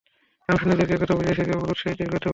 আমি সৈন্যদেরকে একথা বুঝিয়েছি যে, অবরোধ বেশ দীর্ঘ হতে পারে।